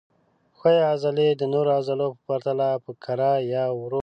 ښویې عضلې د نورو عضلو په پرتله په کراه یا ورو عمل کوي.